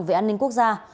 về an ninh quốc gia